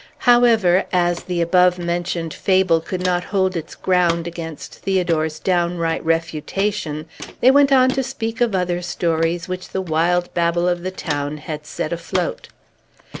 However, as the above mentioned fable could not hold its ground against Theodore's downright refutation, they went on to speak of other stories which the wild babble of the town had set afloat.